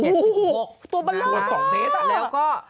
ตัวเบลอเหรอตัวเบลอสองเมตรอะแล้วก็ตัวเบลอสองเมตรอะ